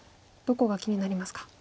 どこが気になりますか。